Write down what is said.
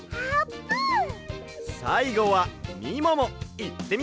さいごはみももいってみよう！